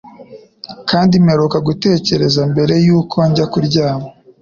kandi mperuka gutekereza mbere yuko njya kuryama